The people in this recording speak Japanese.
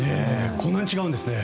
こんなに違うんですね。